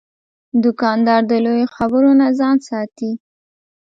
دوکاندار د لویو خبرو نه ځان ساتي.